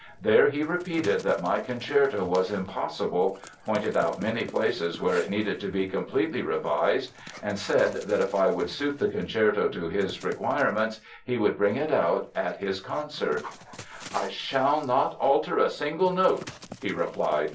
There he repeated that my concerto was impossible, pointed out many places where it needed to be completely revised, and said that if I would suit the concerto to his requirements, he would bring it out at his concert. "'I shall not alter a single note,' he replied.